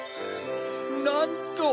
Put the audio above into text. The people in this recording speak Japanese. なんと！